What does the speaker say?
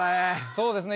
そうですね